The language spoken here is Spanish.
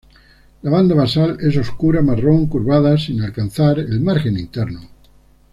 La banda basal es oscura marrón, curvada, sin alcanzar el margen interno.